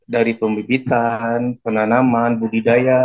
dari pembebitan penanaman budidaya